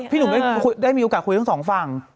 หนุ่มได้มีโอกาสคุยทั้งสองฝั่ง